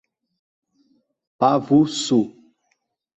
Pavussu